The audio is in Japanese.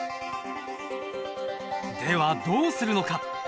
ではどうするのか。